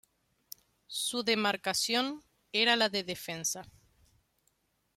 Su demarcación era la de defensa.